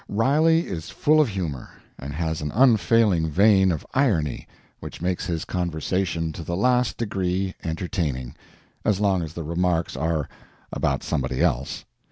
Riley is full of humor, and has an unfailing vein of irony, which makes his conversation to the last degree entertaining (as long as the remarks are about somebody else).